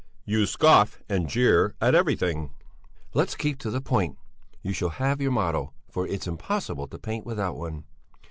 "You scoff and jeer at everything!" "Let's keep to the point! You shall have your model, for it's impossible to paint without one.